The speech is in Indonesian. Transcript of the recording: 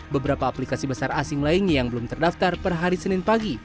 beberapa aplikasi besar asing lainnya yang belum terdaftar per hari senin pagi